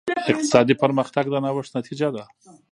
اقتصادي پرمختګ د نوښت نتیجه ده.